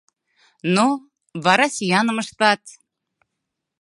Но... вара сӱаным ыштат...